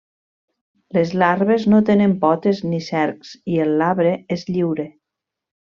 Les larves no tenen potes ni cercs i el labre és lliure.